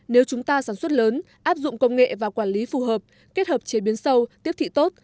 nếu chúng ta sản xuất lớn áp dụng công nghệ và quản lý phù hợp kết hợp chế biến sâu tiếp thị tốt